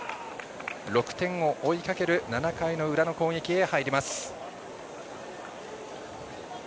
６点を追いかける７回の裏の攻撃へ入ります。